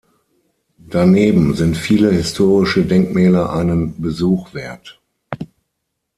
Daneben sind viele historische Denkmäler einen Besuch wert.